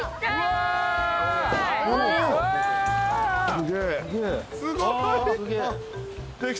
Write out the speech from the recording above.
すげえ。